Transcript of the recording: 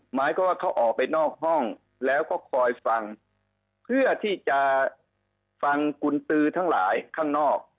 หมายความว่าเขาออกไปนอกห้องแล้วก็คอยฟังเพื่อที่จะฟังกุญตือทั้งหลายข้างนอก